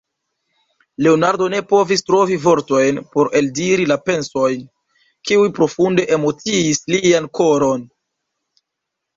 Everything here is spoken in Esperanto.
Leonardo ne povis trovi vortojn por eldiri la pensojn, kiuj profunde emociis lian koron.